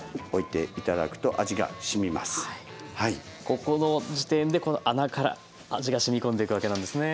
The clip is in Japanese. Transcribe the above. ここの時点でこの穴から味がしみこんでいくわけなんですね。